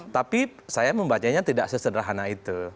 tapi saya membacanya tidak sesederhana itu